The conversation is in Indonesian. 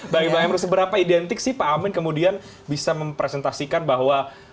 bagi mbak emra seberapa identik sih pak amin kemudian bisa mempresentasikan bahwa